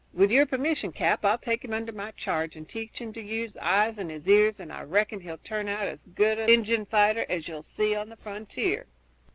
With your permission, cap, I'll take him under my charge and teach him to use his eyes and his ears, and I reckon he'll turn out as good an Injun fighter as you'll see on the frontier."